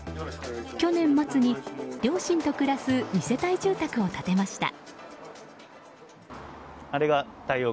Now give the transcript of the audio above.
去年末に両親と暮らす２世帯住宅を建てました。